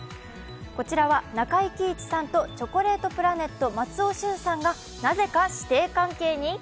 こちらは中井貴一とチョコレートプラネット・松尾駿さんがなぜか師弟関係に？